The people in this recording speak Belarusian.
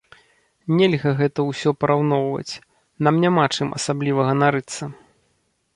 Нельга гэта ўсё параўноўваць, нам няма чым асабліва ганарыцца.